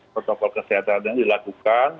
protokol kesehatan yang dilakukan